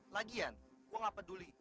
lagian gue gak peduli